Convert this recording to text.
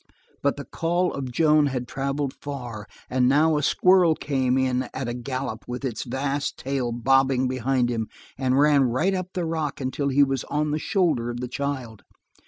But the call of Joan had traveled far, and now a squirrel came in at a gallop with his vast tail bobbing behind him, and ran right up the rock until he was on the shoulder of the child.